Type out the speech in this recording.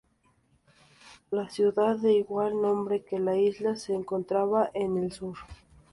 La ciudad, de igual nombre que la isla, se encontraba en el sur.